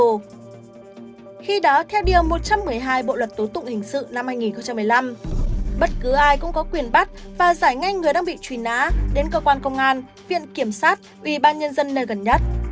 khi đó theo điều một trăm một mươi hai bộ luật tố tụng hình sự năm hai nghìn một mươi năm bất cứ ai cũng có quyền bắt và giải ngay người đang bị truy nã đến cơ quan công an viện kiểm sát ủy ban nhân dân nơi gần nhất